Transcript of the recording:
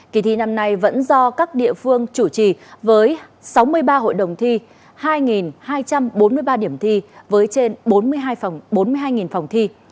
kỳ thi năm nay vẫn do các địa phương chủ trì với sáu mươi ba hội đồng thi hai hai trăm bốn mươi ba điểm thi với trên bốn mươi hai bốn mươi hai phòng thi